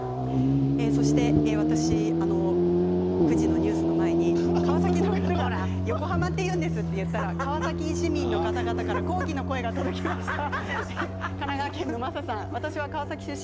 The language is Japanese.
そして私、９時のニュースの前に川崎の方が横浜と言うんですと言ったら川崎市民の方々から抗議の声が届きました。